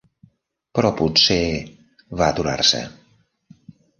"Però potser...", va aturar-se.